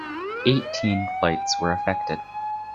Eighteen flights were affected.